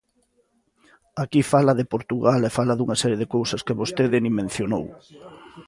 Aquí fala de Portugal e fala dunha serie de cousas que vostede nin mencionou.